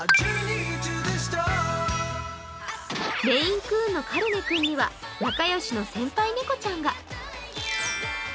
メインクーンのカルネくんには仲良しの先輩猫ちゃんが。